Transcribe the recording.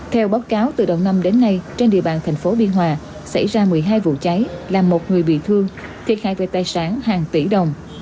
theo báo cáo từ đầu năm đến nay trên địa bàn thành phố biên hòa xảy ra một mươi hai vụ cháy làm một người bị thương thiệt hại về tài sản hàng tỷ đồng